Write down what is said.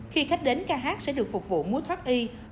khi khách đến kh sẽ được phục vụ mua thoát y